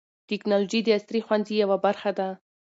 ټیکنالوژي د عصري ښوونې یوه برخه ده.